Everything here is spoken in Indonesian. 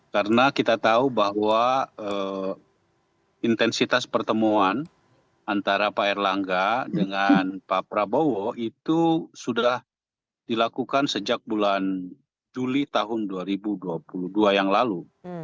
karena kita tahu bahwa intensitas pertemuan antara pak erlangga dengan pak prabowo itu sudah dilakukan sejak bulan juli tahun dua ribu dua puluh dua yang lalu